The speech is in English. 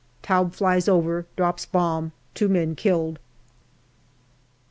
Taube flies over, drops bomb ; two men killed.